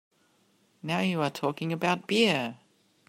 Now you are talking about beer!